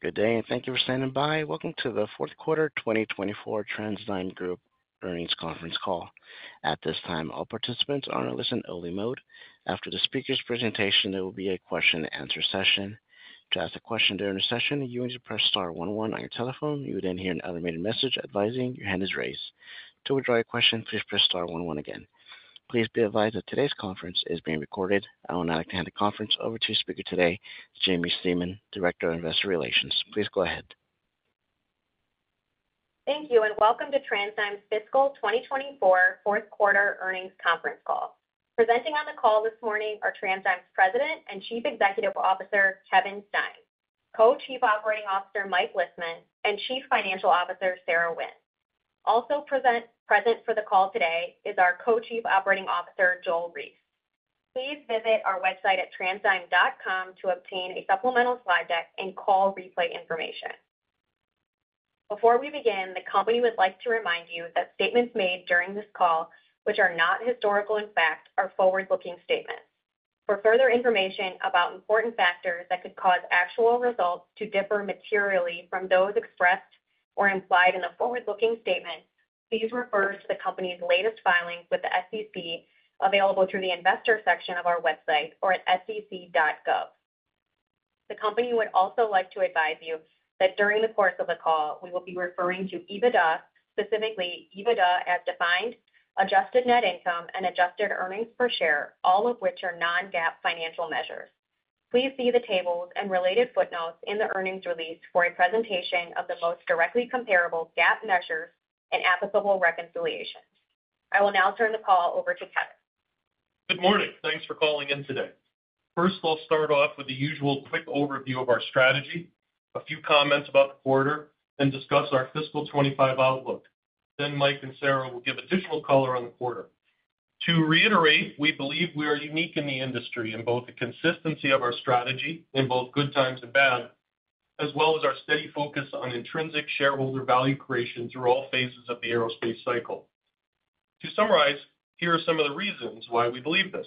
Good day, and thank you for standing by. Welcome to the fourth quarter 2024 TransDigm Group Earnings Conference Call. At this time, all participants are in a listen-only mode. After the speaker's presentation, there will be a question-and-answer session. To ask a question during the session, you will need to press star one one on your telephone. You will then hear an automated message advising your hand is raised. To withdraw your question, please press star one one again. Please be advised that today's conference is being recorded. I will now like to hand the conference over to speaker today, Jaimie Stemen, Director of Investor Relations. Please go ahead. Thank you, and welcome to TransDigm's fiscal 2024 fourth quarter earnings conference call. Presenting on the call this morning are TransDigm's President and Chief Executive Officer, Kevin Stein, Co-Chief Operating Officer, Mike Lisman, and Chief Financial Officer, Sarah Wynne. Also present for the call today is our Co-Chief Operating Officer, Joel Reiss. Please visit our website at transdigm.com to obtain a supplemental slide deck and call replay information. Before we begin, the company would like to remind you that statements made during this call, which are not historical in fact, are forward-looking statements. For further information about important factors that could cause actual results to differ materially from those expressed or implied in the forward-looking statement, please refer to the company's latest filings with the SEC available through the investor section of our website or at sec.gov. The company would also like to advise you that during the course of the call, we will be referring to EBITDA, specifically EBITDA As Defined, adjusted net income, and adjusted earnings per share, all of which are non-GAAP financial measures. Please see the tables and related footnotes in the earnings release for a presentation of the most directly comparable GAAP measures and applicable reconciliations. I will now turn the call over to Kevin. Good morning. Thanks for calling in today. First, I'll start off with the usual quick overview of our strategy, a few comments about the quarter, then discuss our fiscal 2025 outlook. Then Mike and Sarah will give additional color on the quarter. To reiterate, we believe we are unique in the industry in both the consistency of our strategy in both good times and bad, as well as our steady focus on intrinsic shareholder value creation through all phases of the aerospace cycle. To summarize, here are some of the reasons why we believe this: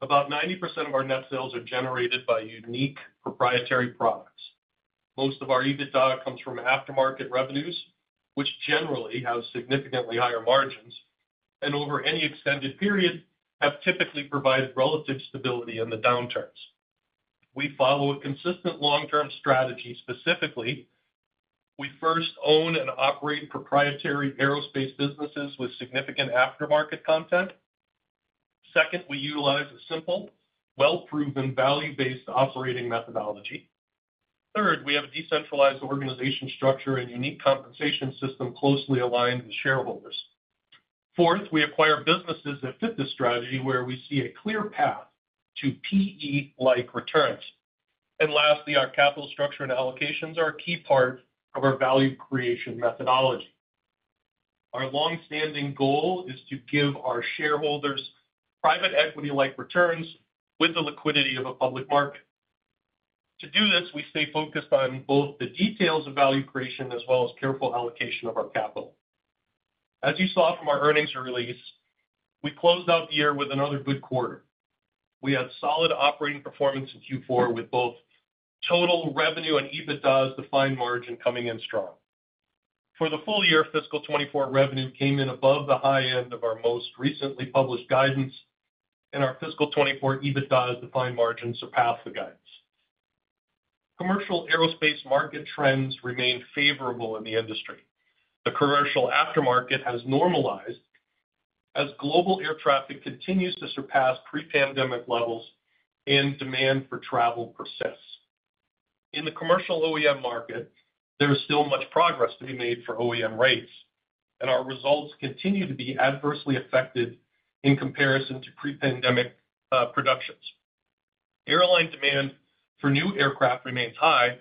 about 90% of our net sales are generated by unique proprietary products. Most of our EBITDA comes from aftermarket revenues, which generally have significantly higher margins and, over any extended period, have typically provided relative stability in the downturns. We follow a consistent long-term strategy. Specifically, we first own and operate proprietary aerospace businesses with significant aftermarket content. Second, we utilize a simple, well-proven, value-based operating methodology. Third, we have a decentralized organization structure and unique compensation system closely aligned with shareholders. Fourth, we acquire businesses that fit this strategy where we see a clear path to PE-like returns. And lastly, our capital structure and allocations are a key part of our value creation methodology. Our long-standing goal is to give our shareholders private equity-like returns with the liquidity of a public market. To do this, we stay focused on both the details of value creation as well as careful allocation of our capital. As you saw from our earnings release, we closed out the year with another good quarter. We had solid operating performance in Q4 with both total revenue and EBITDA As Defined margin coming in strong. For the full year, fiscal 2024 revenue came in above the high end of our most recently published guidance, and our fiscal 2024 EBITDA As Defined margin surpassed the guidance. Commercial aerospace market trends remain favorable in the industry. The commercial aftermarket has normalized as global air traffic continues to surpass pre-pandemic levels and demand for travel persists. In the commercial OEM market, there is still much progress to be made for OEM rates, and our results continue to be adversely affected in comparison to pre-pandemic productions. Airline demand for new aircraft remains high,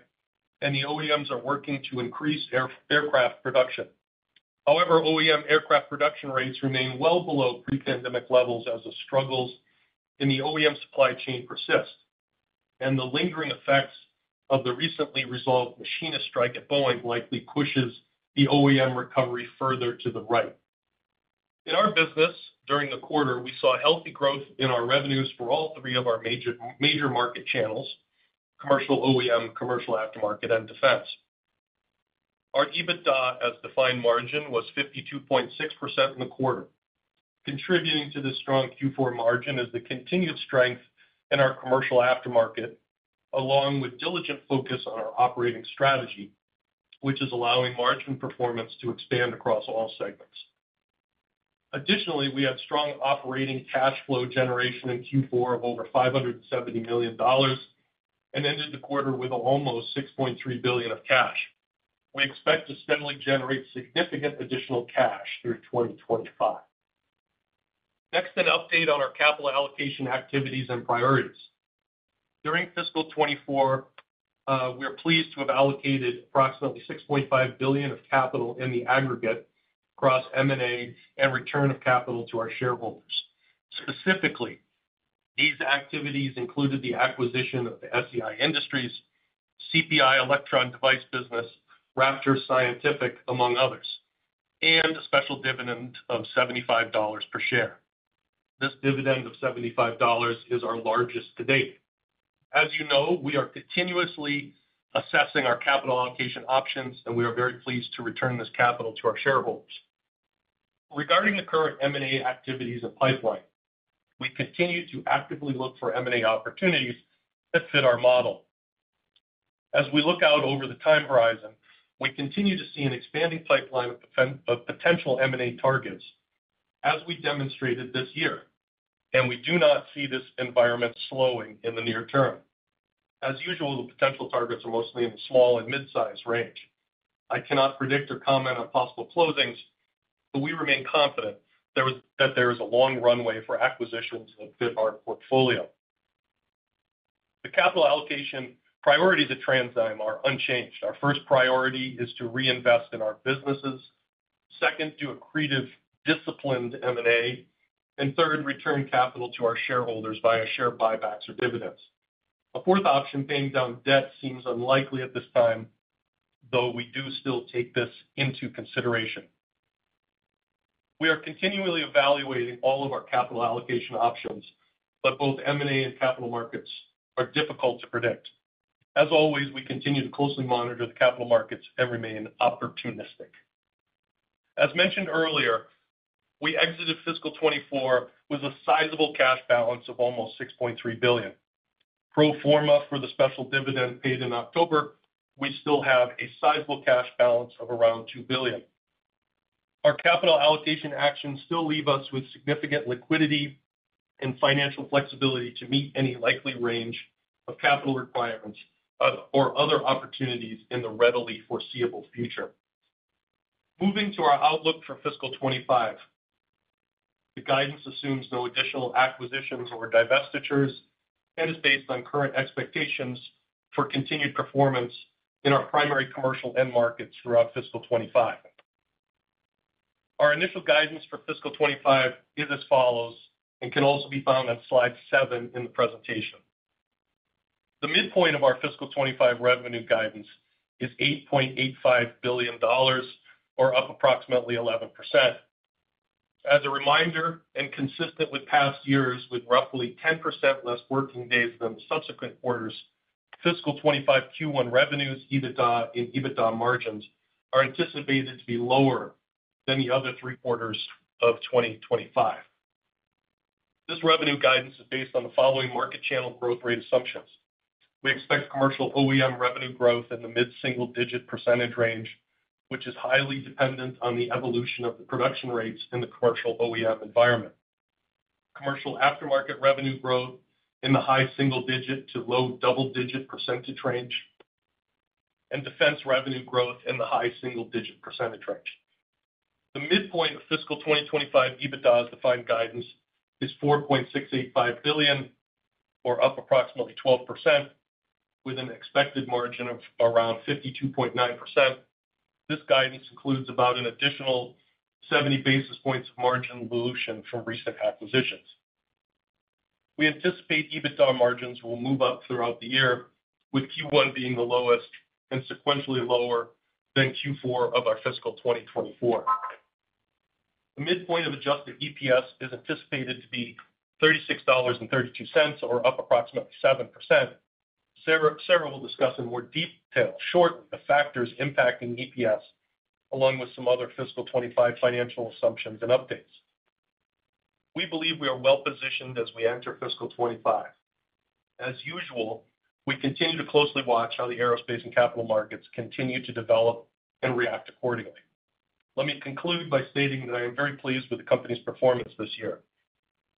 and the OEMs are working to increase aircraft production. However, OEM aircraft production rates remain well below pre-pandemic levels as the struggles in the OEM supply chain persist, and the lingering effects of the recently resolved machinist strike at Boeing likely push the OEM recovery further to the right. In our business, during the quarter, we saw healthy growth in our revenues for all three of our major market channels: commercial OEM, commercial aftermarket, and defense. Our EBITDA As Defined margin was 52.6% in the quarter. Contributing to this strong Q4 margin is the continued strength in our commercial aftermarket, along with diligent focus on our operating strategy, which is allowing margin performance to expand across all segments. Additionally, we had strong operating cash flow generation in Q4 of over $570 million and ended the quarter with almost $6.3 billion of cash. We expect to steadily generate significant additional cash through 2025. Next, an update on our capital allocation activities and priorities. During fiscal 2024, we're pleased to have allocated approximately $6.5 billion of capital in the aggregate across M&A and return of capital to our shareholders. Specifically, these activities included the acquisition of the SEI Industries, CPI Electron Device Business, Raptor Scientific, among others, and a special dividend of $75 per share. This dividend of $75 is our largest to date. As you know, we are continuously assessing our capital allocation options, and we are very pleased to return this capital to our shareholders. Regarding the current M&A activities and pipeline, we continue to actively look for M&A opportunities that fit our model. As we look out over the time horizon, we continue to see an expanding pipeline of potential M&A targets, as we demonstrated this year, and we do not see this environment slowing in the near term. As usual, the potential targets are mostly in the small and mid-size range. I cannot predict or comment on possible closings, but we remain confident that there is a long runway for acquisitions that fit our portfolio. The capital allocation priorities at TransDigm are unchanged. Our first priority is to reinvest in our businesses, second, do accretive disciplined M&A, and third, return capital to our shareholders via share buybacks or dividends. A fourth option, paying down debt, seems unlikely at this time, though we do still take this into consideration. We are continually evaluating all of our capital allocation options, but both M&A and capital markets are difficult to predict. As always, we continue to closely monitor the capital markets and remain opportunistic. As mentioned earlier, we exited fiscal 2024 with a sizable cash balance of almost $6.3 billion. Pro forma for the special dividend paid in October, we still have a sizable cash balance of around $2 billion. Our capital allocation actions still leave us with significant liquidity and financial flexibility to meet any likely range of capital requirements or other opportunities in the readily foreseeable future. Moving to our outlook for fiscal 2025, the guidance assumes no additional acquisitions or divestitures and is based on current expectations for continued performance in our primary commercial end markets throughout fiscal 2025. Our initial guidance for fiscal 2025 is as follows and can also be found on slide seven in the presentation. The midpoint of our fiscal 2025 revenue guidance is $8.85 billion, or up approximately 11%. As a reminder, and consistent with past years with roughly 10% less working days than the subsequent quarters, fiscal 2025 Q1 revenues, EBITDA, and EBITDA margins are anticipated to be lower than the other three quarters of 2025. This revenue guidance is based on the following market channel growth rate assumptions. We expect commercial OEM revenue growth in the mid-single-digit percentage range, which is highly dependent on the evolution of the production rates in the commercial OEM environment. Commercial aftermarket revenue growth in the high single-digit to low double-digit percentage range, and defense revenue growth in the high single-digit percentage range. The midpoint of fiscal 2025 EBITDA As Defined guidance is $4.685 billion, or up approximately 12%, with an expected margin of around 52.9%. This guidance includes about an additional 70 basis points of margin dilution from recent acquisitions. We anticipate EBITDA margins will move up throughout the year, with Q1 being the lowest and sequentially lower than Q4 of our fiscal 2024. The midpoint of adjusted EPS is anticipated to be $36.32, or up approximately 7%. Sarah will discuss in more detail shortly the factors impacting EPS, along with some other fiscal 2025 financial assumptions and updates. We believe we are well-positioned as we enter fiscal 2025. As usual, we continue to closely watch how the aerospace and capital markets continue to develop and react accordingly. Let me conclude by stating that I am very pleased with the company's performance this year.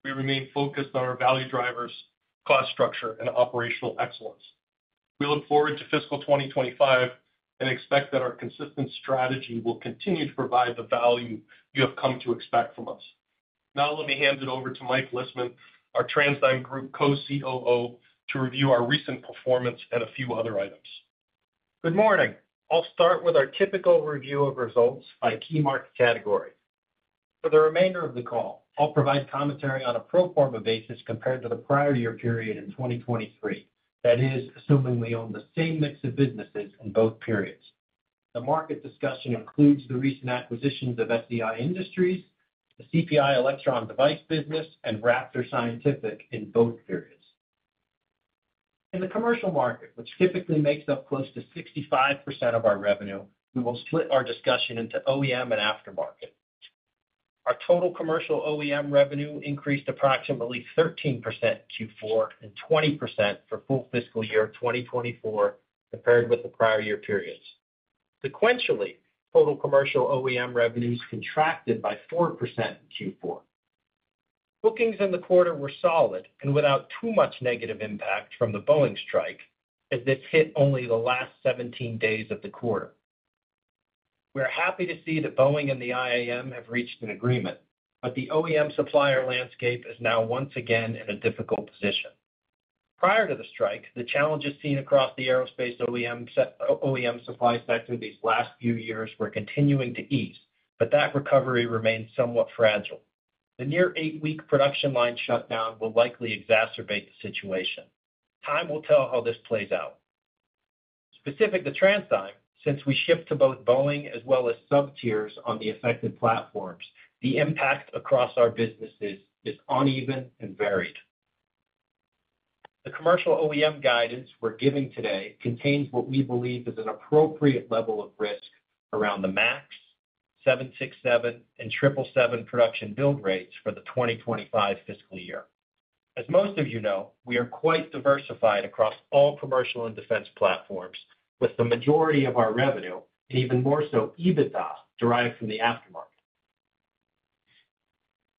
We remain focused on our value drivers, cost structure, and operational excellence. We look forward to fiscal 2025 and expect that our consistent strategy will continue to provide the value you have come to expect from us. Now, let me hand it over to Mike Lisman, our TransDigm Group Co-COO, to review our recent performance and a few other items. Good morning. I'll start with our typical review of results by key market category. For the remainder of the call, I'll provide commentary on a pro forma basis compared to the prior year period in 2023, that is, assuming we own the same mix of businesses in both periods. The market discussion includes the recent acquisitions of SEI Industries, the CPI Electron Device Business, and Raptor Scientific in both periods. In the commercial market, which typically makes up close to 65% of our revenue, we will split our discussion into OEM and aftermarket. Our total commercial OEM revenue increased approximately 13% Q4 and 20% for full fiscal year 2024 compared with the prior year periods. Sequentially, total commercial OEM revenues contracted by 4% Q4. Bookings in the quarter were solid and without too much negative impact from the Boeing strike, as this hit only the last 17 days of the quarter. We are happy to see that Boeing and the IAM have reached an agreement, but the OEM supplier landscape is now once again in a difficult position. Prior to the strike, the challenges seen across the aerospace OEM supply sector these last few years were continuing to ease, but that recovery remains somewhat fragile. The near eight-week production line shutdown will likely exacerbate the situation. Time will tell how this plays out. Specific to TransDigm, since we ship to both Boeing as well as sub-tiers on the affected platforms, the impact across our businesses is uneven and varied. The commercial OEM guidance we're giving today contains what we believe is an appropriate level of risk around the MAX, 767, and 777 production build rates for the 2025 fiscal year. As most of you know, we are quite diversified across all commercial and defense platforms, with the majority of our revenue, and even more so EBITDA, derived from the aftermarket.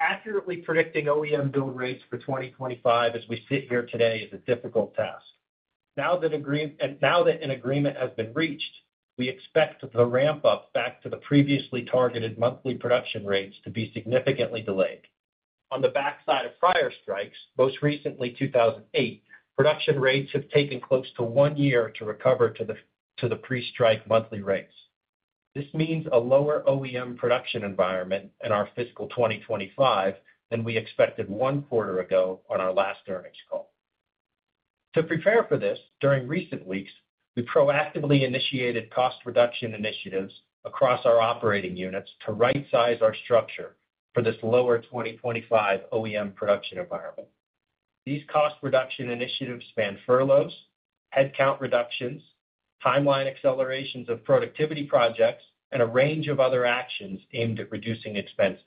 Accurately predicting OEM build rates for 2025 as we sit here today is a difficult task. Now that an agreement has been reached, we expect the ramp-up back to the previously targeted monthly production rates to be significantly delayed. On the backside of prior strikes, most recently 2008, production rates have taken close to one year to recover to the pre-strike monthly rates. This means a lower OEM production environment in our fiscal 2025 than we expected one quarter ago on our last earnings call. To prepare for this, during recent weeks, we proactively initiated cost reduction initiatives across our operating units to right-size our structure for this lower 2025 OEM production environment. These cost reduction initiatives span furloughs, headcount reductions, timeline accelerations of productivity projects, and a range of other actions aimed at reducing expenses.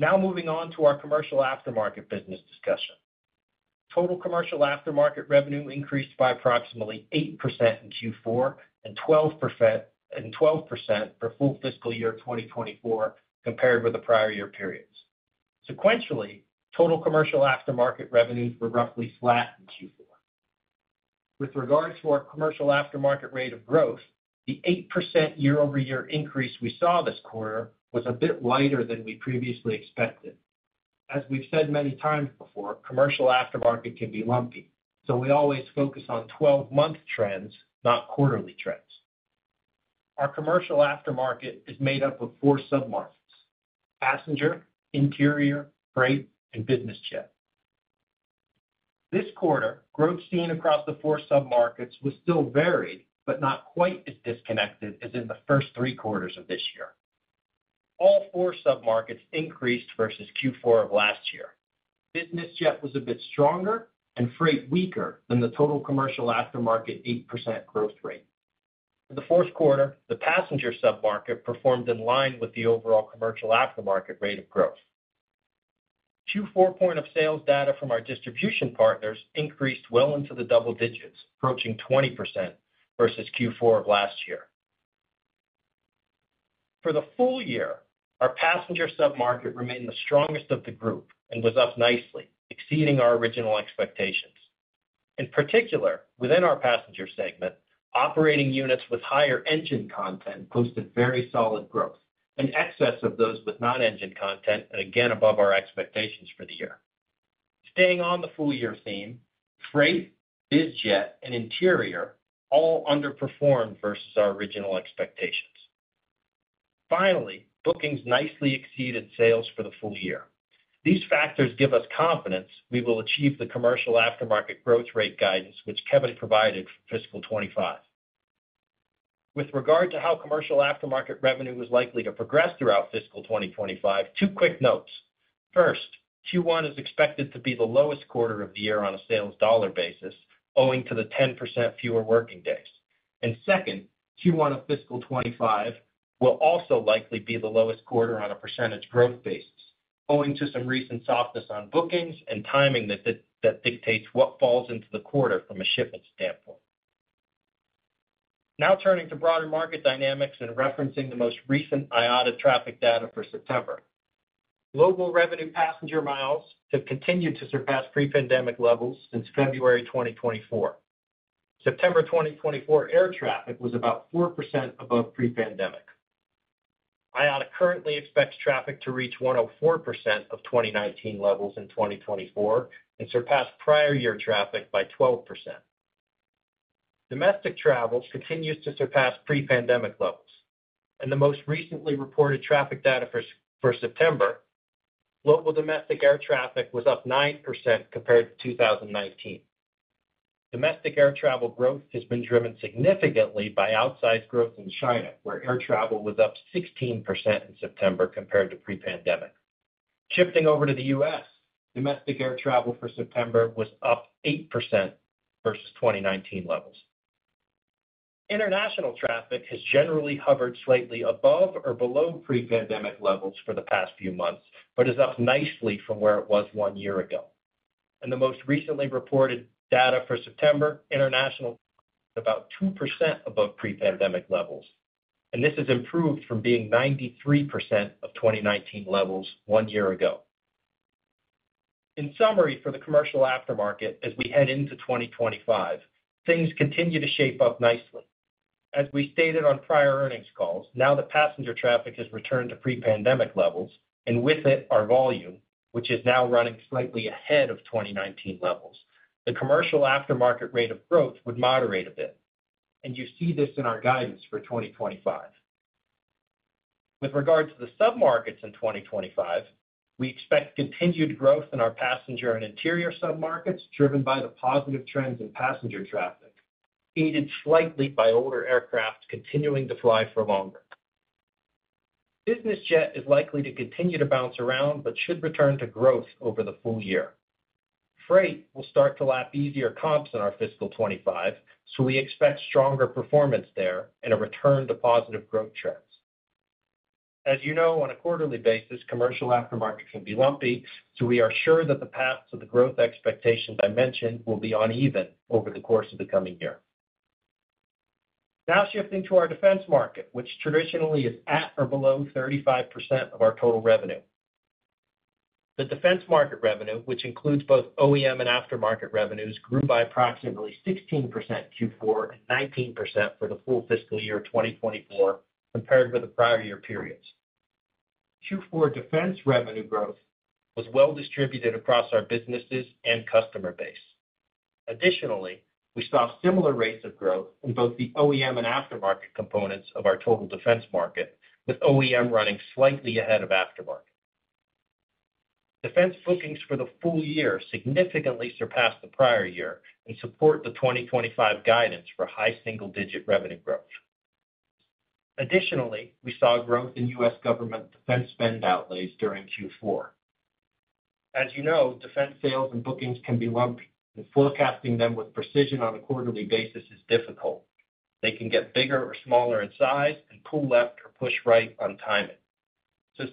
Now moving on to our commercial aftermarket business discussion. Total commercial aftermarket revenue increased by approximately 8% in Q4 and 12% for full fiscal year 2024 compared with the prior year periods. Sequentially, total commercial aftermarket revenues were roughly flat in Q4. With regards to our commercial aftermarket rate of growth, the 8% year-over-year increase we saw this quarter was a bit lighter than we previously expected. As we've said many times before, commercial aftermarket can be lumpy, so we always focus on 12-month trends, not quarterly trends. Our commercial aftermarket is made up of four sub-markets: passenger, interior, freight, and business jet. This quarter, growth seen across the four sub-markets was still varied, but not quite as disconnected as in the first three quarters of this year. All four sub-markets increased versus Q4 of last year. Business jet was a bit stronger and freight weaker than the total commercial aftermarket 8% growth rate. In the fourth quarter, the passenger sub-market performed in line with the overall commercial aftermarket rate of growth. Q4 point of sales data from our distribution partners increased well into the double digits, approaching 20% versus Q4 of last year. For the full year, our passenger sub-market remained the strongest of the group and was up nicely, exceeding our original expectations. In particular, within our passenger segment, operating units with higher engine content posted very solid growth, in excess of those with non-engine content, and again above our expectations for the year. Staying on the full-year theme, freight, biz jet, and interior all underperformed versus our original expectations. Finally, bookings nicely exceeded sales for the full year. These factors give us confidence we will achieve the commercial aftermarket growth rate guidance which Kevin provided for fiscal 2025. With regard to how commercial aftermarket revenue is likely to progress throughout fiscal 2025, two quick notes. First, Q1 is expected to be the lowest quarter of the year on a sales dollar basis, owing to the 10% fewer working days. Second, Q1 of fiscal 2025 will also likely be the lowest quarter on a percentage growth basis, owing to some recent softness on bookings and timing that dictates what falls into the quarter from a shipment standpoint. Now turning to broader market dynamics and referencing the most recent IATA traffic data for September. Global revenue passenger miles have continued to surpass pre-pandemic levels since February 2024. September 2024 air traffic was about 4% above pre-pandemic. IATA currently expects traffic to reach 104% of 2019 levels in 2024 and surpass prior year traffic by 12%. Domestic travel continues to surpass pre-pandemic levels. In the most recently reported traffic data for September, local domestic air traffic was up 9% compared to 2019. Domestic air travel growth has been driven significantly by outsized growth in China, where air travel was up 16% in September compared to pre-pandemic. Shifting over to the US, domestic air travel for September was up 8% versus 2019 levels. International traffic has generally hovered slightly above or below pre-pandemic levels for the past few months, but is up nicely from where it was one year ago. In the most recently reported data for September, international traffic was about 2% above pre-pandemic levels, and this has improved from being 93% of 2019 levels one year ago. In summary, for the commercial aftermarket, as we head into 2025, things continue to shape up nicely. As we stated on prior earnings calls, now that passenger traffic has returned to pre-pandemic levels, and with it our volume, which is now running slightly ahead of 2019 levels, the commercial aftermarket rate of growth would moderate a bit. And you see this in our guidance for 2025. With regard to the sub-markets in 2025, we expect continued growth in our passenger and interior sub-markets driven by the positive trends in passenger traffic, aided slightly by older aircraft continuing to fly for longer. Business jet is likely to continue to bounce around but should return to growth over the full year. Freight will start to lap easier comps in our fiscal 2025, so we expect stronger performance there and a return to positive growth trends. As you know, on a quarterly basis, commercial aftermarket can be lumpy, so we are sure that the path to the growth expectations I mentioned will be uneven over the course of the coming year. Now shifting to our defense market, which traditionally is at or below 35% of our total revenue. The defense market revenue, which includes both OEM and aftermarket revenues, grew by approximately 16% Q4 and 19% for the full fiscal year 2024 compared with the prior year periods. Q4 defense revenue growth was well-distributed across our businesses and customer base. Additionally, we saw similar rates of growth in both the OEM and aftermarket components of our total defense market, with OEM running slightly ahead of aftermarket. Defense bookings for the full year significantly surpassed the prior year and support the 2025 guidance for high single-digit revenue growth. Additionally, we saw growth in U.S. government defense spend outlays during Q4. As you know, defense sales and bookings can be lumpy, and forecasting them with precision on a quarterly basis is difficult. They can get bigger or smaller in size and pull left or push right on timing.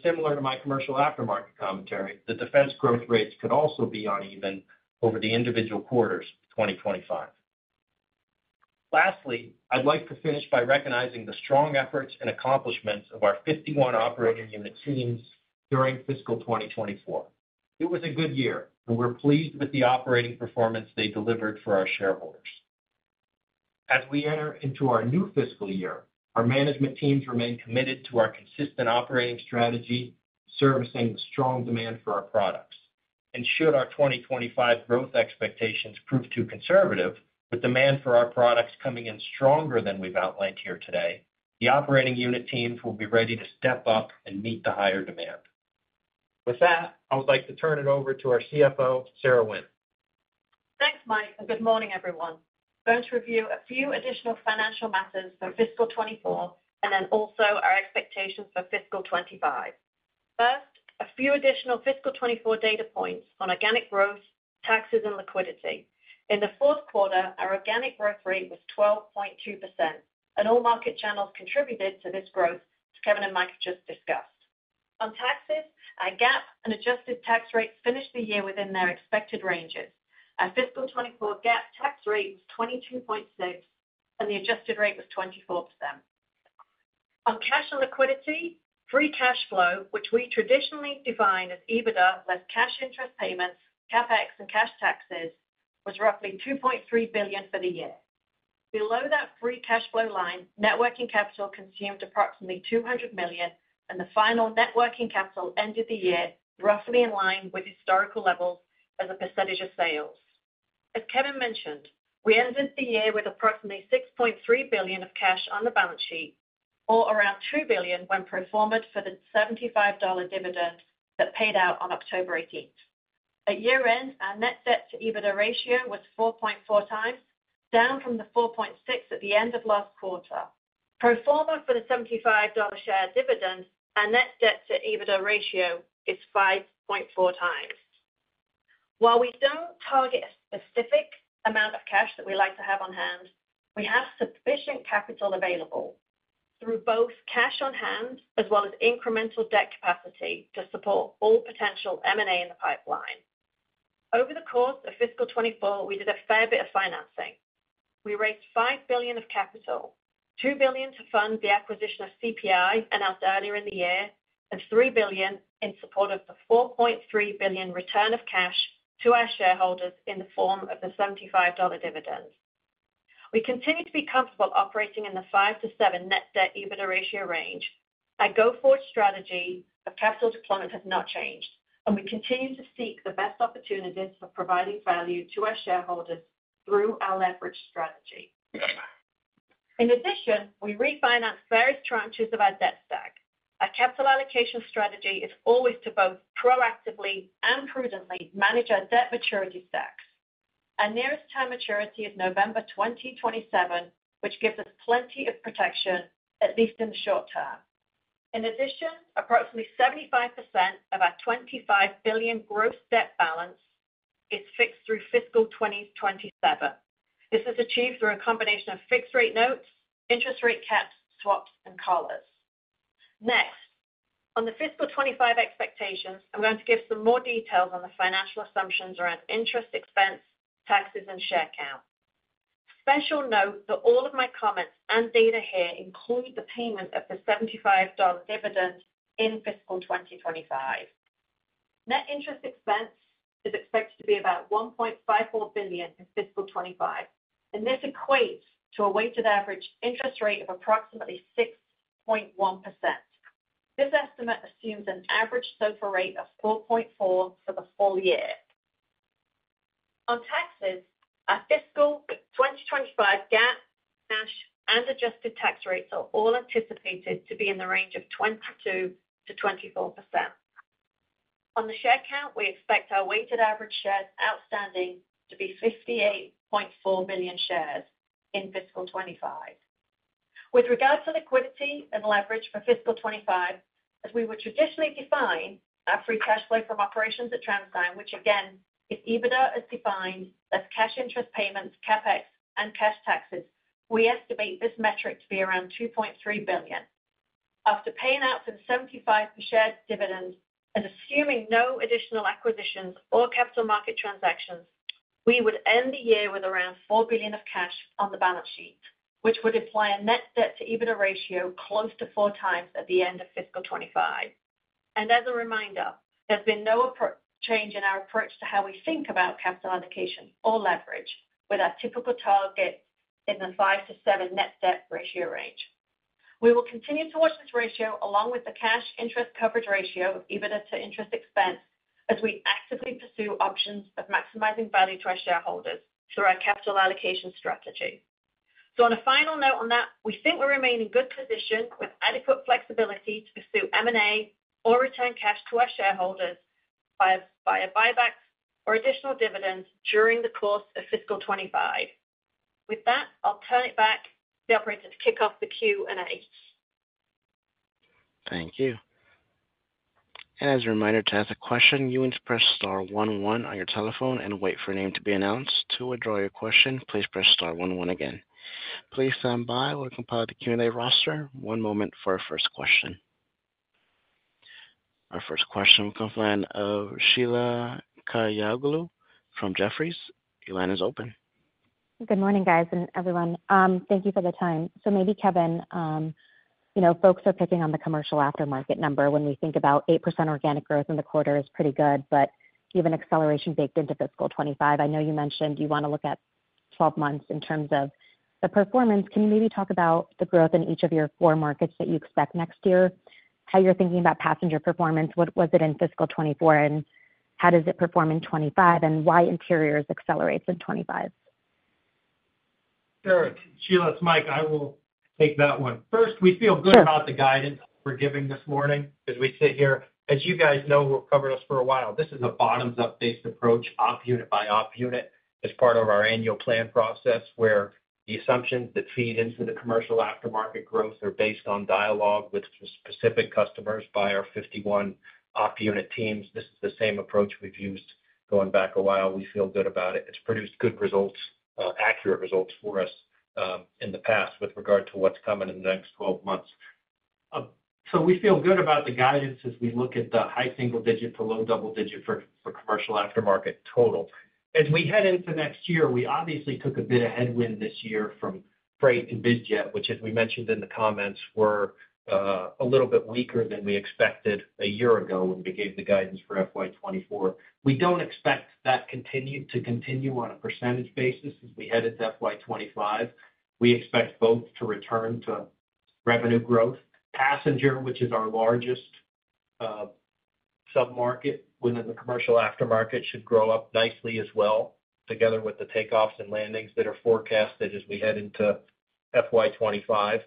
Similar to my commercial aftermarket commentary, the defense growth rates could also be uneven over the individual quarters of 2025. Lastly, I'd like to finish by recognizing the strong efforts and accomplishments of our 51 operating unit teams during fiscal 2024. It was a good year, and we're pleased with the operating performance they delivered for our shareholders. As we enter into our new fiscal year, our management teams remain committed to our consistent operating strategy, servicing the strong demand for our products. And should our 2025 growth expectations prove too conservative, with demand for our products coming in stronger than we've outlined here today, the operating unit teams will be ready to step up and meet the higher demand. With that, I would like to turn it over to our CFO, Sarah Wynne. Thanks, Mike, and good morning, everyone. I'm going to review a few additional financial matters for fiscal 2024 and then also our expectations for fiscal 2025. First, a few additional fiscal 2024 data points on organic growth, taxes, and liquidity. In the fourth quarter, our organic growth rate was 12.2%, and all market channels contributed to this growth, as Kevin and Mike have just discussed. On taxes, our GAAP and adjusted tax rates finished the year within their expected ranges. Our fiscal 2024 GAAP tax rate was 22.6%, and the adjusted rate was 24%. On cash and liquidity, free cash flow, which we traditionally define as EBITDA less cash interest payments, CapEx, and cash taxes, was roughly $2.3 billion for the year. Below that free cash flow line, working capital consumed approximately $200 million, and the final working capital ended the year roughly in line with historical levels as a percentage of sales. As Kevin mentioned, we ended the year with approximately $6.3 billion of cash on the balance sheet, or around $2 billion when pro forma for the $75 dividend that paid out on October 18th. At year-end, our net debt-to-EBITDA ratio was 4.4 times, down from the 4.6 at the end of last quarter. Pro forma for the $75 share dividend, our net debt-to-EBITDA ratio is 5.4 times. While we don't target a specific amount of cash that we like to have on hand, we have sufficient capital available through both cash on hand as well as incremental debt capacity to support all potential M&A in the pipeline. Over the course of fiscal 2024, we did a fair bit of financing. We raised $5 billion of capital, $2 billion to fund the acquisition of CPI announced earlier in the year, and $3 billion in support of the $4.3 billion return of cash to our shareholders in the form of the $75 dividend. We continue to be comfortable operating in the 5-7 net debt-to-EBITDA ratio range. Our go-forward strategy of capital deployment has not changed, and we continue to seek the best opportunities for providing value to our shareholders through our leverage strategy. In addition, we refinance various tranches of our debt stack. Our capital allocation strategy is always to both proactively and prudently manage our debt maturity stacks. Our nearest term maturity is November 2027, which gives us plenty of protection, at least in the short term. In addition, approximately 75% of our $25 billion gross debt balance is fixed through fiscal 2027. This is achieved through a combination of fixed-rate notes, interest rate caps, swaps, and collars. Next, on the fiscal 2025 expectations, I'm going to give some more details on the financial assumptions around interest, expense, taxes, and share count. Special note that all of my comments and data here include the payment of the $75 dividend in fiscal 2025. Net interest expense is expected to be about $1.54 billion in fiscal 2025, and this equates to a weighted average interest rate of approximately 6.1%. This estimate assumes an average SOFR rate of 4.4% for the full year. On taxes, our fiscal 2025 GAAP, cash, and adjusted tax rates are all anticipated to be in the range of 22%-24%. On the share count, we expect our weighted average shares outstanding to be 58.4 million shares in fiscal 2025. With regard to liquidity and leverage for fiscal 2025, as we would traditionally define our free cash flow from operations at TransDigm, which again, if EBITDA is defined as cash interest payments, CapEx, and cash taxes, we estimate this metric to be around $2.3 billion. After paying out some 75% dividend and assuming no additional acquisitions or capital market transactions, we would end the year with around $4 billion of cash on the balance sheet, which would imply a net debt-to-EBITDA ratio close to four times at the end of fiscal 2025, and as a reminder, there's been no change in our approach to how we think about capital allocation or leverage, with our typical target in the five to seven net debt ratio range. We will continue to watch this ratio along with the cash interest coverage ratio of EBITDA to interest expense as we actively pursue options of maximizing value to our shareholders through our capital allocation strategy, so on a final note on that, we think we remain in good position with adequate flexibility to pursue M&A or return cash to our shareholders via buybacks or additional dividends during the course of fiscal 2025. With that, I'll turn it back to the operators to kick off the Q&A. Thank you. And as a reminder, to ask a question, you can press star one one on your telephone and wait for your name to be announced. To withdraw your question, please press star one one again. Please stand by while we compile the Q&A roster. One moment for our first question. Our first question will come from Sheila Kahyaoglu from Jefferies. Your line is open. Good morning, guys and everyone. Thank you for the time. So maybe, Kevin, folks are picking on the commercial aftermarket number. When we think about 8% organic growth in the quarter, it's pretty good, but even acceleration baked into fiscal 2025. I know you mentioned you want to look at 12 months in terms of the performance. Can you maybe talk about the growth in each of your four markets that you expect next year, how you're thinking about passenger performance? What was it in fiscal 2024, and how does it perform in 2025, and why interiors accelerates in 2025? Sure. Sheila and Mike, I will take that one. First, we feel good about the guidance we're giving this morning as we sit here. As you guys know, we've covered this for a while. This is a bottoms-up-based approach, op unit by op unit, as part of our annual plan process, where the assumptions that feed into the commercial aftermarket growth are based on dialogue with specific customers by our 51 op unit teams. This is the same approach we've used going back a while. We feel good about it. It's produced good results, accurate results for us in the past with regard to what's coming in the next 12 months. So we feel good about the guidance as we look at the high single-digit to low double-digit for commercial aftermarket total. As we head into next year, we obviously took a bit of headwind this year from freight and biz jet, which, as we mentioned in the comments, were a little bit weaker than we expected a year ago when we gave the guidance for FY24. We don't expect that to continue on a percentage basis as we head into FY25. We expect both to return to revenue growth. Passenger, which is our largest sub-market within the commercial aftermarket, should grow up nicely as well, together with the takeoffs and landings that are forecasted as we head into FY25.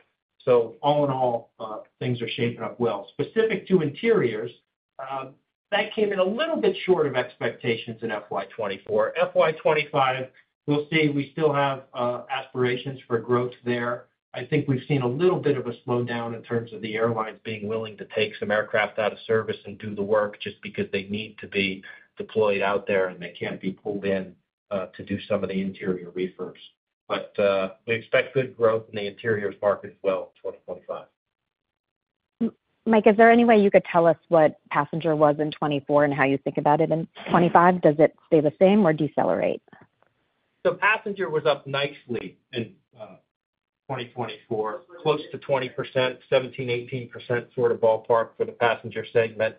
So all in all, things are shaping up well. Specific to interiors, that came in a little bit short of expectations in FY24. FY25, we'll see. We still have aspirations for growth there. I think we've seen a little bit of a slowdown in terms of the airlines being willing to take some aircraft out of service and do the work just because they need to be deployed out there and they can't be pulled in to do some of the interior refurbs, but we expect good growth in the interiors market as well in 2025. Mike, is there any way you could tell us what passenger was in 2024 and how you think about it in 2025? Does it stay the same or decelerate? Passenger was up nicely in 2024, close to 20%, 17%, 18%, sort of ballpark for the passenger segment.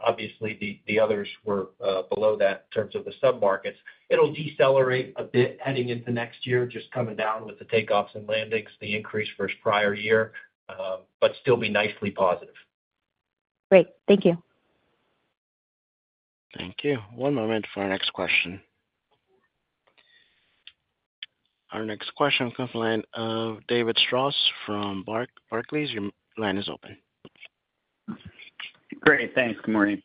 Obviously, the others were below that in terms of the sub-markets. It'll decelerate a bit heading into next year, just coming down with the takeoffs and landings, the increase for its prior year, but still be nicely positive. Great. Thank you. Thank you. One moment for our next question. Our next question will come from David Strauss from Barclays. Your line is open. Great. Thanks. Good morning.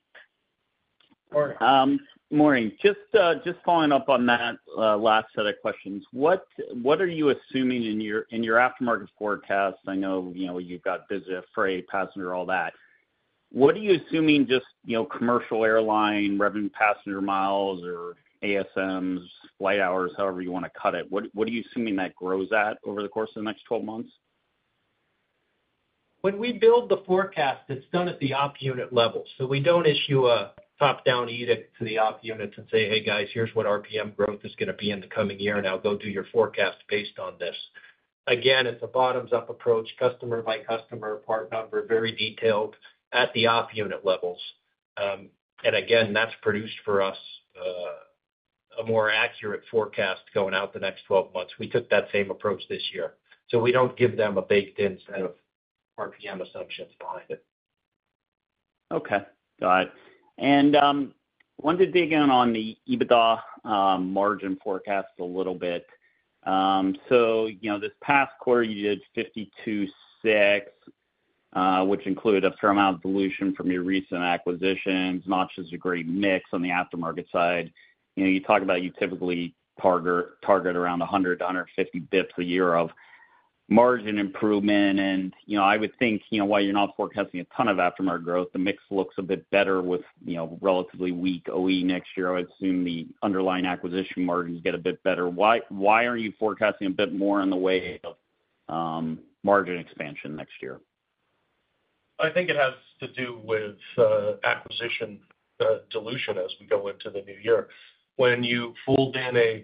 Morning. Morning. Just following up on that last set of questions, what are you assuming in your aftermarket forecast? I know you've got biz jet, freight, passenger, all that. What are you assuming just commercial airline, revenue passenger miles, or ASMs, flight hours, however you want to cut it? What are you assuming that grows at over the course of the next 12 months? When we build the forecast, it's done at the op unit level. So we don't issue a top-down edict to the op units and say, "Hey, guys, here's what RPM growth is going to be in the coming year, and now go do your forecast based on this." Again, it's a bottoms-up approach, customer by customer, part number, very detailed at the op unit levels. And again, that's produced for us a more accurate forecast going out the next 12 months. We took that same approach this year. So we don't give them a baked-in set of RPM assumptions behind it. Okay. Got it. And I wanted to dig in on the EBITDA margin forecast a little bit. So this past quarter, you did 52.6%, which included a fair amount of dilution from your recent acquisitions, not just a great mix on the aftermarket side. You talk about you typically target around 100-150 basis points a year of margin improvement. And I would think, while you're not forecasting a ton of aftermarket growth, the mix looks a bit better with relatively weak OE next year. I would assume the underlying acquisition margins get a bit better. Why aren't you forecasting a bit more in the way of margin expansion next year? I think it has to do with acquisition dilution as we go into the new year. When you fold in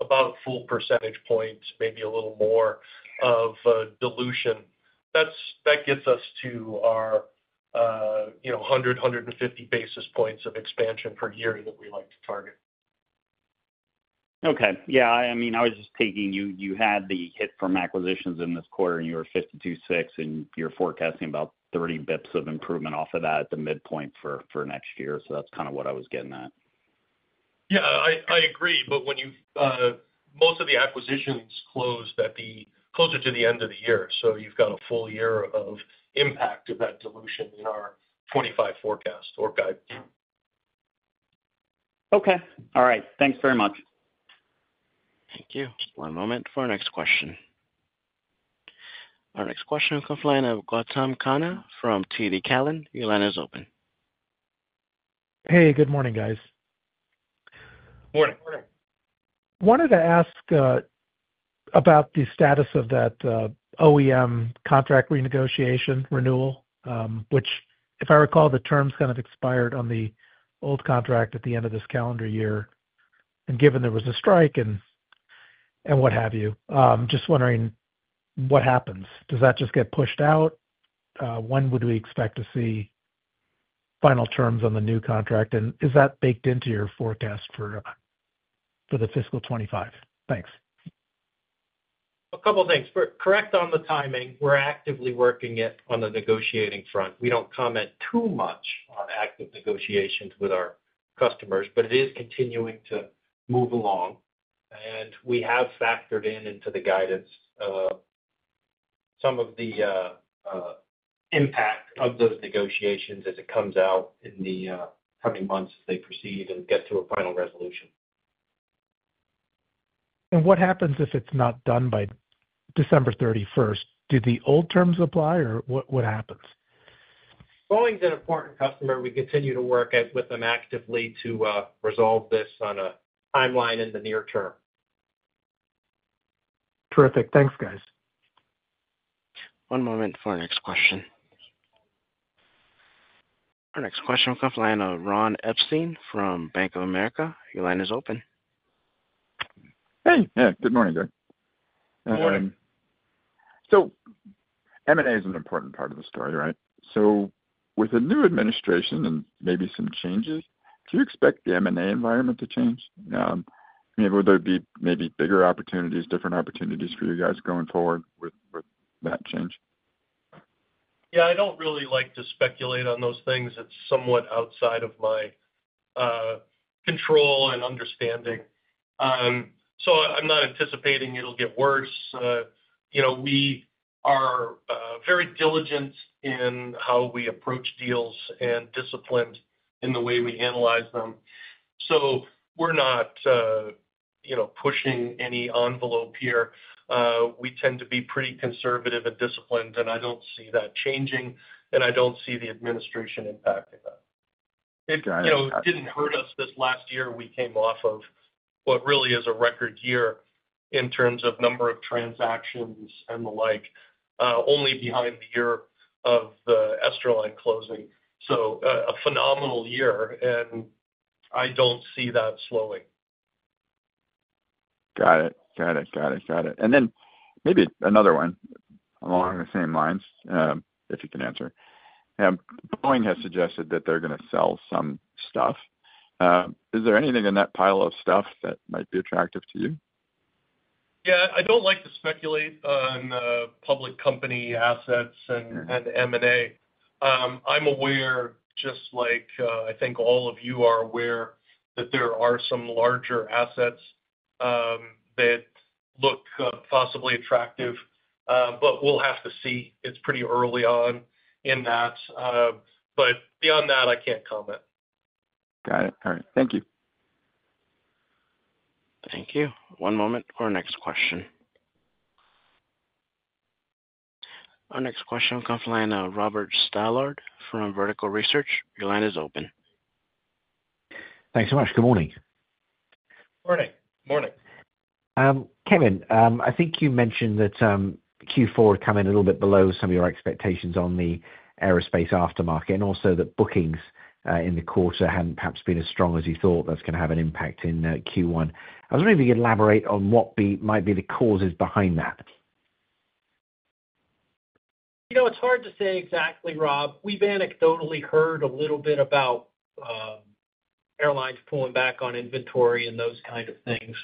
about a full percentage point, maybe a little more of dilution, that gets us to our 100-150 basis points of expansion per year that we like to target. Okay. Yeah. I mean, I was just taking you had the hit from acquisitions in this quarter, and you were 52.6, and you're forecasting about 30 basis points of improvement off of that at the midpoint for next year. So that's kind of what I was getting at. Yeah. I agree. But most of the acquisitions close closer to the end of the year. So you've got a full year of impact of that dilution in our 2025 forecast or guide. Okay. All right. Thanks very much. Thank you. One moment for our next question. Our next question will come from the line of Gautam Khanna from TD Cowen. Your line is open. Hey. Good morning, guys. Morning. Morning. Wanted to ask about the status of that OEM contract renegotiation renewal, which, if I recall, the terms kind of expired on the old contract at the end of this calendar year. And given there was a strike and what have you, just wondering what happens. Does that just get pushed out? When would we expect to see final terms on the new contract? And is that baked into your forecast for the fiscal 2025? Thanks. A couple of things. Correct on the timing. We're actively working it on the negotiating front. We don't comment too much on active negotiations with our customers, but it is continuing to move along. And we have factored into the guidance some of the impact of those negotiations as it comes out in the coming months as they proceed and get to a final resolution. What happens if it's not done by December 31st? Do the old terms apply, or what happens? Boeing's an important customer. We continue to work with them actively to resolve this on a timeline in the near term. Terrific. Thanks, guys. One moment for our next question. Our next question will come from Ron Epstein from Bank of America. Your line is open. Hey. Yeah. Good morning, guys. Good morning. So M&A is an important part of the story, right? So with a new administration and maybe some changes, do you expect the M&A environment to change? I mean, would there be maybe bigger opportunities, different opportunities for you guys going forward with that change? Yeah. I don't really like to speculate on those things. It's somewhat outside of my control and understanding. So I'm not anticipating it'll get worse. We are very diligent in how we approach deals and disciplined in the way we analyze them. So we're not pushing any envelope here. We tend to be pretty conservative and disciplined, and I don't see that changing, and I don't see the administration impacting that. It didn't hurt us this last year. We came off of what really is a record year in terms of number of transactions and the like, only behind the year of the Esterline closing. So a phenomenal year, and I don't see that slowing. Got it. And then maybe another one along the same lines, if you can answer. Boeing has suggested that they're going to sell some stuff. Is there anything in that pile of stuff that might be attractive to you? Yeah. I don't like to speculate on public company assets and M&A. I'm aware, just like I think all of you are aware, that there are some larger assets that look possibly attractive, but we'll have to see. It's pretty early on in that. But beyond that, I can't comment. Got it. All right. Thank you. Thank you. One moment for our next question. Our next question will come from Robert Stallard from Vertical Research. Your line is open. Thanks so much. Good morning. Morning. Morning. Kevin, I think you mentioned that Q4 came in a little bit below some of your expectations on the aerospace aftermarket and also that bookings in the quarter hadn't perhaps been as strong as you thought. That's going to have an impact in Q1. I was wondering if you could elaborate on what might be the causes behind that. It's hard to say exactly, Rob. We've anecdotally heard a little bit about airlines pulling back on inventory and those kinds of things.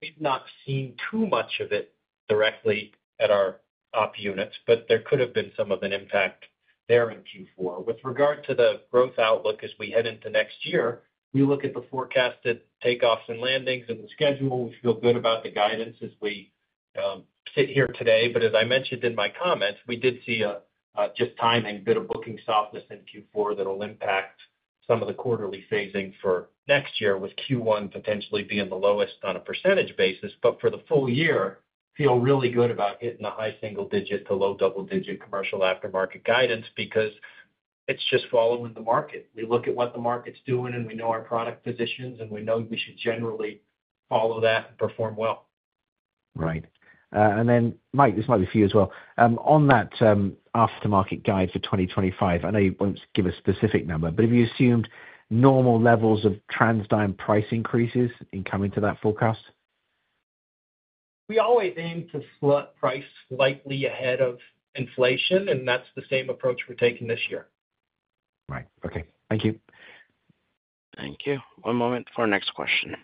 We've not seen too much of it directly at our op units, but there could have been some of an impact there in Q4. With regard to the growth outlook as we head into next year, we look at the forecasted takeoffs and landings and the schedule. We feel good about the guidance as we sit here today. But as I mentioned in my comments, we did see just timing, a bit of booking softness in Q4 that will impact some of the quarterly phasing for next year, with Q1 potentially being the lowest on a percentage basis. But for the full year, I feel really good about getting the high single-digit to low double-digit commercial aftermarket guidance because it's just following the market. We look at what the market's doing, and we know our product positions, and we know we should generally follow that and perform well. Right. And then, Mike, this might be for you as well. On that aftermarket guide for 2025, I know you won't give a specific number, but have you assumed normal levels of TransDigm price increases in coming to that forecast? We always aim to slot price slightly ahead of inflation, and that's the same approach we're taking this year. Right. Okay. Thank you. Thank you. One moment for our next question.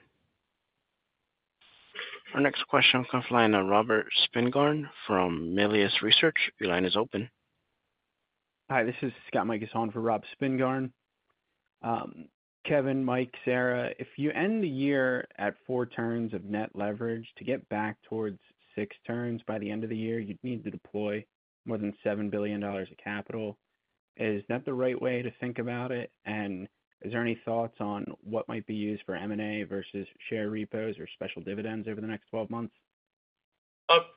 Our next question will come from Robert Spingarn from Melius Research. Your line is open. Hi. This is Scott Mikus for Rob Spingarn. Kevin, Mike, Sarah, if you end the year at four turns of net leverage to get back towards six turns by the end of the year, you'd need to deploy more than $7 billion of capital. Is that the right way to think about it? And is there any thoughts on what might be used for M&A versus share repos or special dividends over the next 12 months?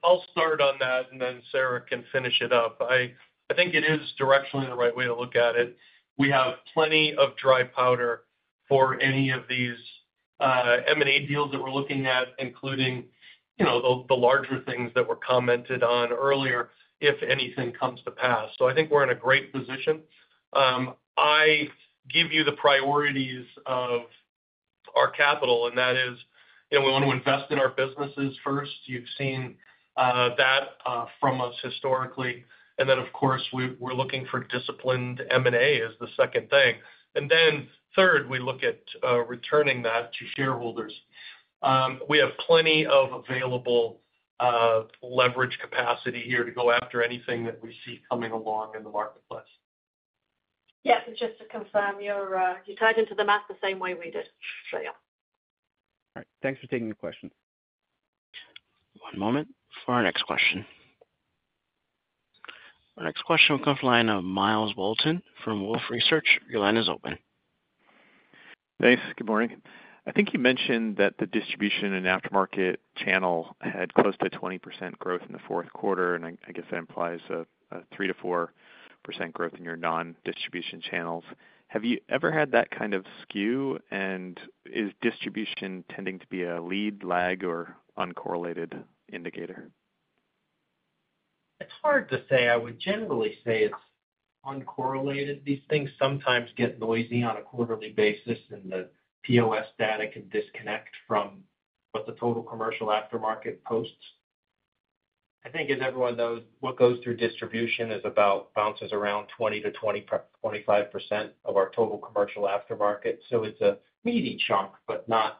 I'll start on that, and then Sarah can finish it up. I think it is directionally the right way to look at it. We have plenty of dry powder for any of these M&A deals that we're looking at, including the larger things that were commented on earlier, if anything comes to pass. So I think we're in a great position. I give you the priorities of our capital, and that is we want to invest in our businesses first. You've seen that from us historically. And then, of course, we're looking for disciplined M&A is the second thing. And then third, we look at returning that to shareholders. We have plenty of available leverage capacity here to go after anything that we see coming along in the marketplace. Yes, and just to confirm, you tied into the math the same way we did, so yeah. All right. Thanks for taking the question. One moment for our next question. Our next question will come from the line of Miles Walton from Wolfe Research. Your line is open. Thanks. Good morning. I think you mentioned that the distribution and aftermarket channel had close to 20% growth in the fourth quarter, and I guess that implies a 3%-4% growth in your non-distribution channels. Have you ever had that kind of skew, and is distribution tending to be a lead, lag, or uncorrelated indicator? It's hard to say. I would generally say it's uncorrelated. These things sometimes get noisy on a quarterly basis, and the POS data can disconnect from what the total commercial aftermarket posts. I think, as everyone knows, what goes through distribution is about bounces around 20%-25% of our total commercial aftermarket. So it's a meaty chunk, but not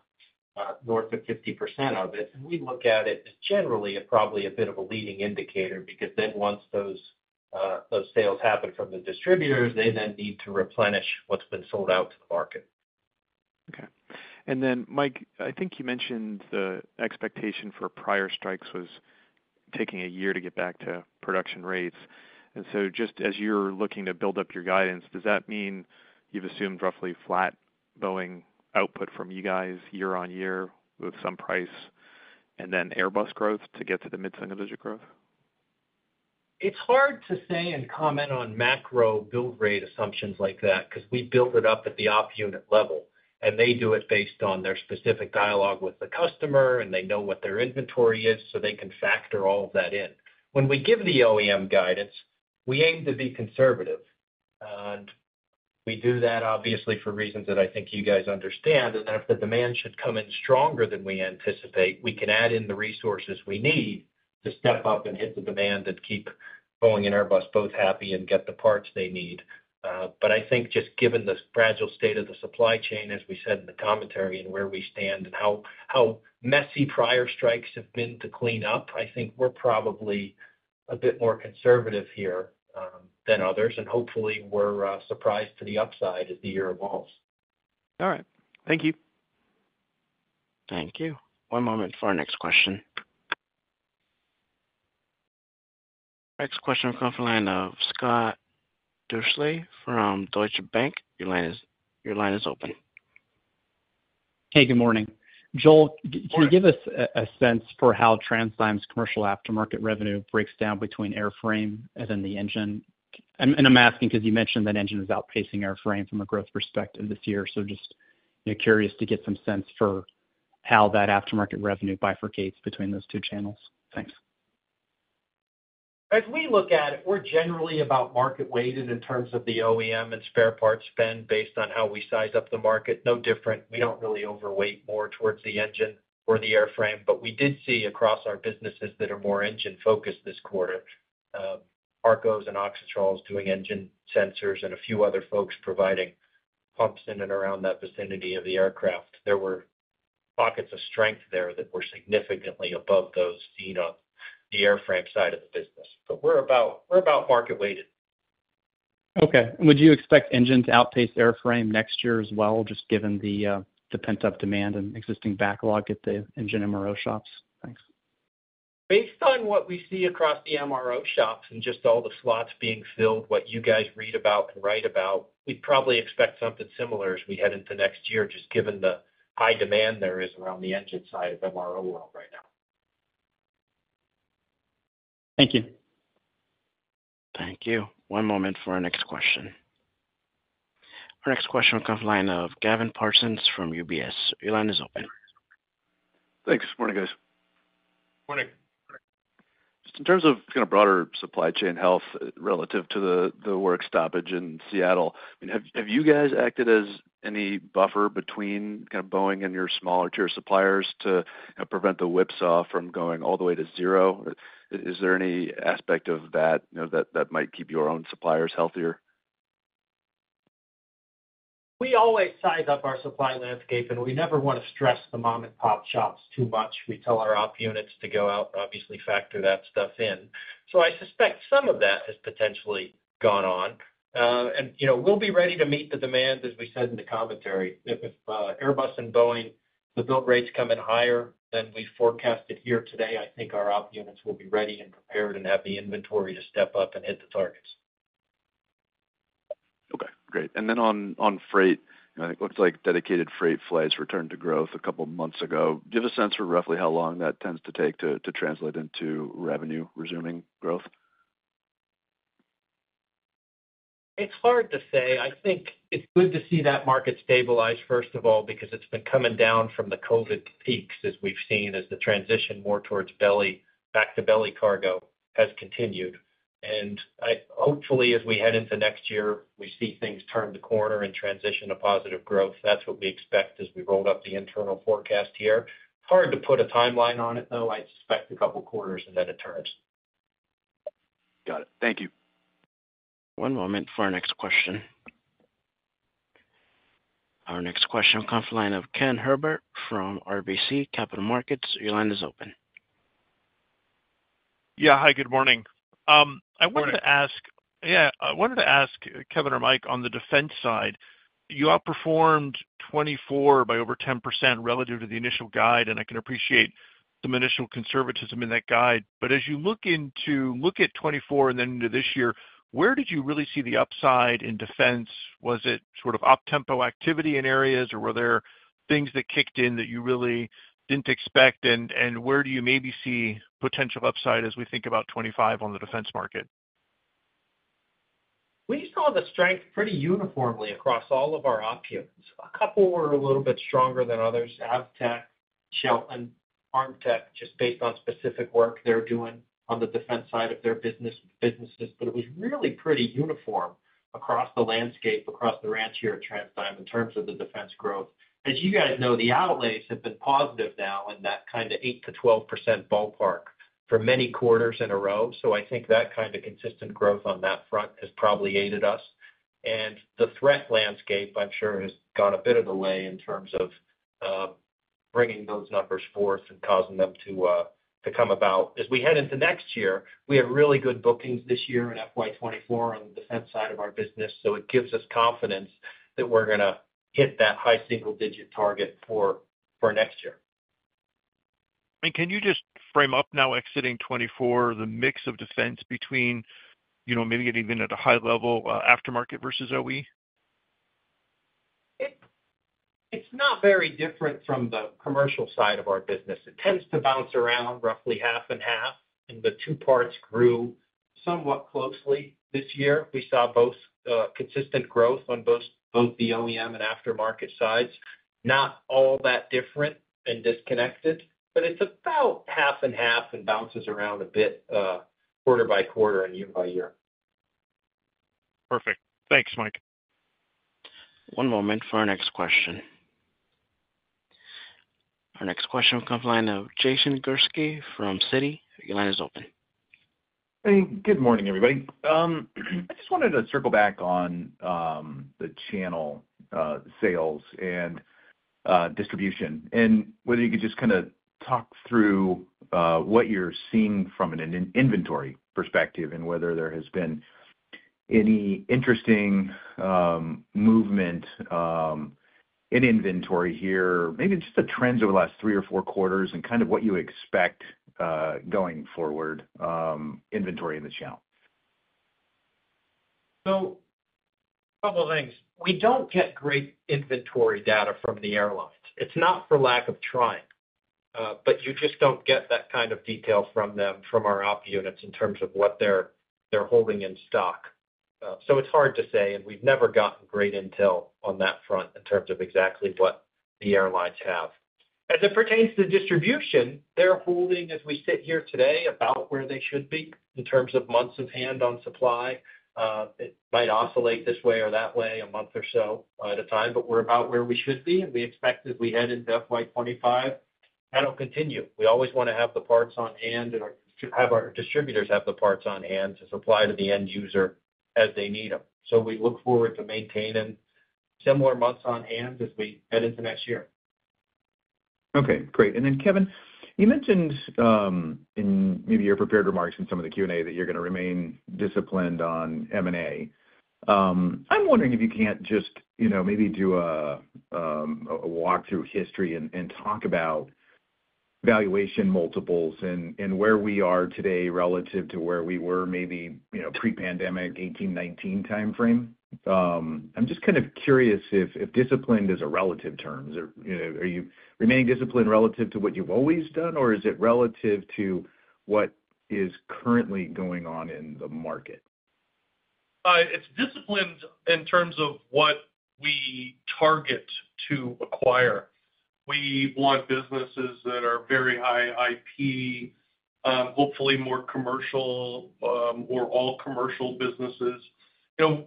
north of 50% of it, and we look at it as generally probably a bit of a leading indicator because then once those sales happen from the distributors, they then need to replenish what's been sold out to the market. Okay. And then, Mike, I think you mentioned the expectation for prior strikes was taking a year to get back to production rates. And so just as you're looking to build up your guidance, does that mean you've assumed roughly flat Boeing output from you guys year on year with some price and then Airbus growth to get to the mid-single-digit growth? It's hard to say and comment on macro build rate assumptions like that because we build it up at the op unit level, and they do it based on their specific dialogue with the customer, and they know what their inventory is, so they can factor all of that in. When we give the OEM guidance, we aim to be conservative. And we do that, obviously, for reasons that I think you guys understand. And then if the demand should come in stronger than we anticipate, we can add in the resources we need to step up and hit the demand and keep Boeing and Airbus both happy and get the parts they need. But I think just given the fragile state of the supply chain, as we said in the commentary and where we stand and how messy prior strikes have been to clean up, I think we're probably a bit more conservative here than others, and hopefully, we're surprised to the upside as the year evolves. All right. Thank you. Thank you. One moment for our next question. Next question will come from Scott Deuschle from Deutsche Bank. Your line is open. Hey. Good morning. Joel, can you give us a sense for how TransDigm's commercial aftermarket revenue breaks down between airframe and then the engine? And I'm asking because you mentioned that engine is outpacing airframe from a growth perspective this year. So just curious to get some sense for how that aftermarket revenue bifurcates between those two channels. Thanks. As we look at it, we're generally about market-weighted in terms of the OEM and spare parts spend based on how we size up the market. No different. We don't really overweight more towards the engine or the airframe. But we did see across our businesses that are more engine-focused this quarter, Harco and Auxitrol doing engine sensors and a few other folks providing pumps in and around that vicinity of the aircraft. There were pockets of strength there that were significantly above those seen on the airframe side of the business. But we're about market-weighted. Okay. And would you expect engine to outpace airframe next year as well, just given the pent-up demand and existing backlog at the engine MRO shops? Thanks. Based on what we see across the MRO shops and just all the slots being filled, what you guys read about and write about, we'd probably expect something similar as we head into next year, just given the high demand there is around the engine side of MRO world right now. Thank you. Thank you. One moment for our next question. Our next question will come from Gavin Parsons from UBS. Your line is open. Thanks. Morning, guys. Morning. Just in terms of kind of broader supply chain health relative to the work stoppage in Seattle, I mean, have you guys acted as any buffer between kind of Boeing and your smaller tier suppliers to prevent the WIPs from going all the way to zero? Is there any aspect of that that might keep your own suppliers healthier? We always size up our supply landscape, and we never want to stress the mom-and-pop shops too much. We tell our op units to go out and obviously factor that stuff in. So I suspect some of that has potentially gone on, and we'll be ready to meet the demand, as we said in the commentary. If Airbus and Boeing, the build rates come in higher than we forecasted here today, I think our op units will be ready and prepared and have the inventory to step up and hit the targets. Okay. Great. And then on freight, it looks like dedicated freight flights returned to growth a couple of months ago. Do you have a sense for roughly how long that tends to take to translate into revenue resuming growth? It's hard to say. I think it's good to see that market stabilize, first of all, because it's been coming down from the COVID peaks as we've seen as the transition more towards back-to-belly cargo has continued. And hopefully, as we head into next year, we see things turn the corner and transition to positive growth. That's what we expect as we roll up the internal forecast here. It's hard to put a timeline on it, though. I suspect a couple of quarters, and then it turns. Got it. Thank you. One moment for our next question. Our next question will come from Ken Herbert from RBC Capital Markets. Your line is open. Yeah. Hi. Good morning. I wanted to ask Kevin or Mike on the defense side. You outperformed 2024 by over 10% relative to the initial guide, and I can appreciate some initial conservatism in that guide. But as you look at 2024 and then into this year, where did you really see the upside in defense? Was it sort of up-tempo activity in areas, or were there things that kicked in that you really didn't expect? And where do you maybe see potential upside as we think about 2025 on the defense market? We saw the strength pretty uniformly across all of our op units. A couple were a little bit stronger than others: Avtech, Chelton, Armtec, just based on specific work they're doing on the defense side of their businesses. But it was really pretty uniform across the landscape, across the range here at TransDigm in terms of the defense growth. As you guys know, the outlays have been positive now in that kind of 8%-12% ballpark for many quarters in a row. So I think that kind of consistent growth on that front has probably aided us. And the threat landscape, I'm sure, has gone a bit of the way in terms of bringing those numbers forth and causing them to come about. As we head into next year, we have really good bookings this year in FY 2024 on the defense side of our business. So it gives us confidence that we're going to hit that high single-digit target for next year. I mean, can you just frame up now exiting 2024, the mix of defense between maybe getting in at a high level aftermarket versus OE? It's not very different from the commercial side of our business. It tends to bounce around roughly half and half, and the two parts grew somewhat closely this year. We saw both consistent growth on both the OEM and aftermarket sides. Not all that different and disconnected, but it's about half and half and bounces around a bit quarter by quarter and year by year. Perfect. Thanks, Mike. One moment for our next question. Our next question will come from Jason Gursky from Citi. Your line is open. Hey. Good morning, everybody. I just wanted to circle back on the channel sales and distribution and whether you could just kind of talk through what you're seeing from an inventory perspective and whether there has been any interesting movement in inventory here, maybe just the trends over the last three or four quarters and kind of what you expect going forward inventory in the channel? So a couple of things. We don't get great inventory data from the airlines. It's not for lack of trying, but you just don't get that kind of detail from them from our op units in terms of what they're holding in stock. So it's hard to say, and we've never gotten great intel on that front in terms of exactly what the airlines have. As it pertains to distribution, they're holding, as we sit here today, about where they should be in terms of months of on-hand supply. It might oscillate this way or that way a month or so at a time, but we're about where we should be. And we expect as we head into FY 2025, that'll continue. We always want to have the parts on hand and have our distributors have the parts on hand to supply to the end user as they need them. So we look forward to maintaining similar months on hand as we head into next year. Okay. Great. And then, Kevin, you mentioned in maybe your prepared remarks in some of the Q&A that you're going to remain disciplined on M&A. I'm wondering if you can't just maybe do a walkthrough history and talk about valuation multiples and where we are today relative to where we were maybe pre-pandemic 2018, 2019 timeframe. I'm just kind of curious if disciplined is a relative term. Are you remaining disciplined relative to what you've always done, or is it relative to what is currently going on in the market? It's disciplined in terms of what we target to acquire. We want businesses that are very high IP, hopefully more commercial or all commercial businesses.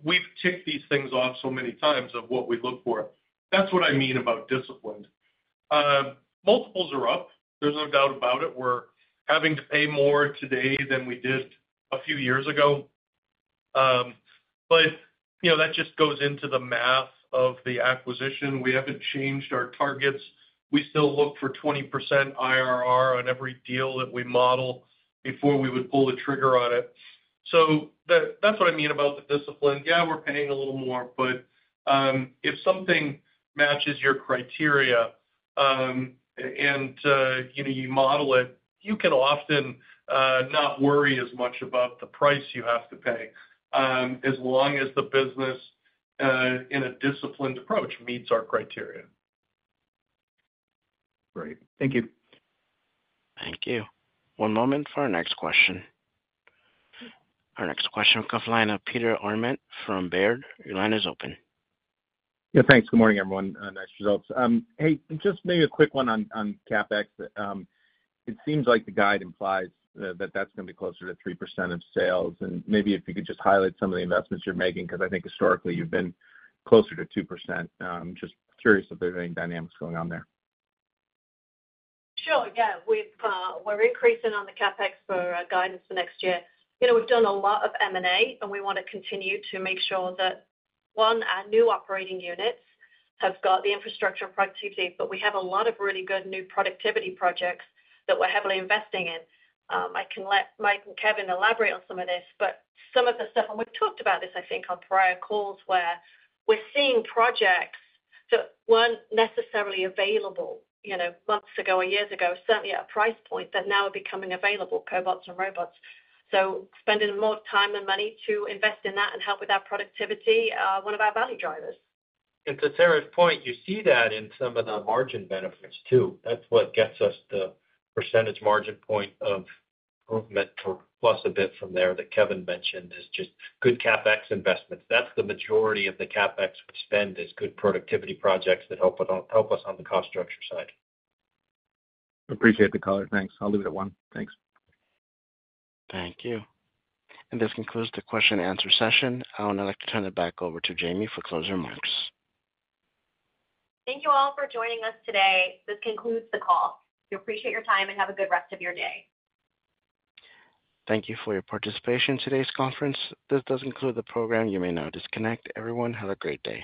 We've ticked these things off so many times of what we look for. That's what I mean about disciplined. Multiples are up. There's no doubt about it. We're having to pay more today than we did a few years ago. But that just goes into the math of the acquisition. We haven't changed our targets. We still look for 20% IRR on every deal that we model before we would pull the trigger on it. So that's what I mean about the discipline. Yeah, we're paying a little more, but if something matches your criteria and you model it, you can often not worry as much about the price you have to pay as long as the business, in a disciplined approach, meets our criteria. Great. Thank you. Thank you. One moment for our next question. Our next question will come from Peter Arment from Baird. Your line is open. Yeah. Thanks. Good morning, everyone. Nice results. Hey, just maybe a quick one on CapEx. It seems like the guide implies that that's going to be closer to 3% of sales. And maybe if you could just highlight some of the investments you're making because I think historically you've been closer to 2%. Just curious if there's any dynamics going on there. Sure. Yeah. We're increasing on the CapEx for guidance for next year. We've done a lot of M&A, and we want to continue to make sure that, one, our new operating units have got the infrastructure and productivity, but we have a lot of really good new productivity projects that we're heavily investing in. I can let Mike and Kevin elaborate on some of this, but some of the stuff, and we've talked about this, I think, on prior calls, where we're seeing projects that weren't necessarily available months ago or years ago, certainly at a price point that now are becoming available: cobots and robots. So spending more time and money to invest in that and help with our productivity are one of our value drivers. And to Sarah's point, you see that in some of the margin benefits too. That's what gets us the percentage margin point of movement plus a bit from there that Kevin mentioned is just good CapEx investments. That's the majority of the CapEx we spend is good productivity projects that help us on the cost structure side. Appreciate the color. Thanks. I'll leave it at one. Thanks. Thank you, and this concludes the question-and-answer session. I'll now like to turn it back over to Jaimie for closing remarks. Thank you all for joining us today. This concludes the call. We appreciate your time and have a good rest of your day. Thank you for your participation in today's conference. This does conclude the program. You may now disconnect. Everyone, have a great day.